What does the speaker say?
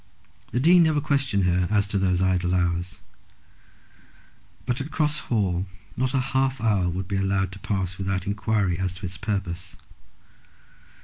The Dean never questioned her as to those idle hours. But at Cross Hall not a half hour would be allowed to pass without enquiry as to its purpose.